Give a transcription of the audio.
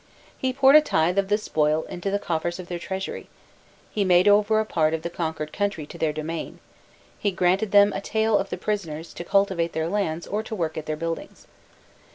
He poured a tithe of the spoil into the coffers of their treasury, he made over a part of the conquered country to their domain, he granted them a tale of the prisoners to cultivate their lands or to work at their buildings.